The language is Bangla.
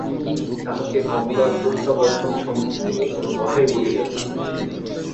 তিনি তাহাকে কমলার প্রত্যাবর্তন সম্বন্ধে কোনো কথাই বলিলেন না।